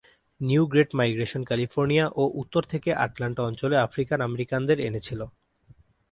New great migration California ও উত্তর থেকে আটলান্টা অঞ্চলে আফ্রিকান আমেরিকানদের এনেছিল।